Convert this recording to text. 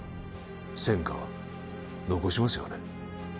専科は残しますよね